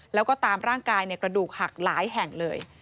แล้วก็ตามร่างกายกระดูกหักหลายแห่งเลย